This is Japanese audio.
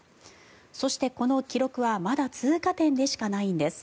そして、この記録はまだ通過点でしかないんです。